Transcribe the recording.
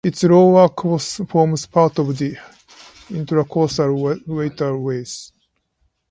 Its lower course forms part of the Intracoastal Waterway.